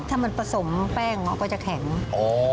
ถ้ามันผสมแป้งก็จะแข็งโอ้